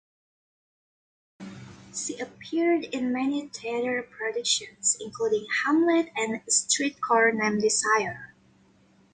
She appeared in many theatre productions, including "Hamlet" and "A Streetcar Named Desire".